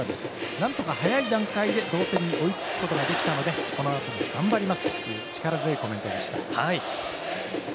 何とか早い段階で同点に追いつくことができたのでこのあと頑張りますと力強いコメントでした。